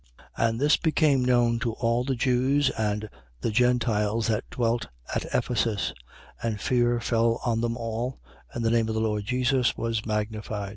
And this became known to all the Jews and the Gentiles that dwelt a Ephesus. And fear fell on them all: and the name of the Lord Jesus was magnified. 19:18.